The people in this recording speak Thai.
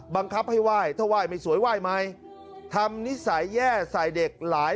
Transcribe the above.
บังคับให้ไหว้ถ้าไหว้ไม่สวยไหว้ไหมทำนิสัยแย่ใส่เด็กหลาย